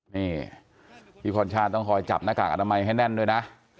นี่พี่พรชาติต้องคอยจับหน้ากากอนามัยให้แน่นด้วยนะ